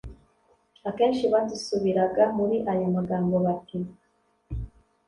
Akenshi basubiraga muri aya magambo bati,